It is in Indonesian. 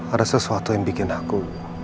ada sesuatu yang bikin aku